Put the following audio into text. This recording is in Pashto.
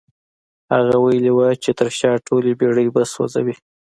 هغه ويلي وو چې تر شا ټولې بېړۍ به سوځوي.